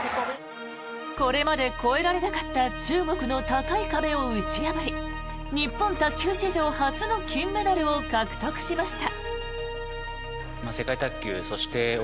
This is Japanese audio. これまで越えられなかった中国の高い壁を打ち破り日本卓球史上初の金メダルを獲得しました。